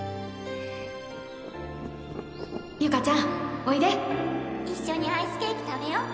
友嘉ちゃんおいでいっしょにアイスケーキ食べよう！